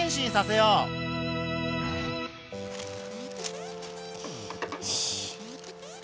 よし。